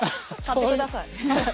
買ってください。